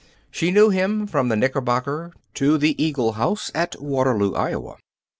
She knew him from the Knickerbocker to the Eagle House at Waterloo, Iowa.